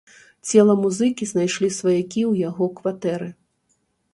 Цела музыкі знайшлі сваякі ў яго кватэры.